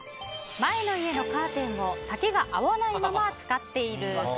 前の家のカーテンを丈が合わないまま使っている。